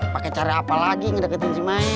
pakai cara apa lagi ngedeketin si maen